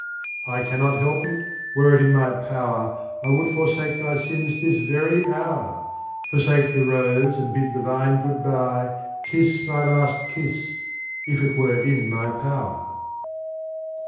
I cannot help it — were it in my power, I would forsake my sins this very hour, 36. Forsake the Rose, and bid the Vine good bye. Kiss my last kiss — if it were in my power.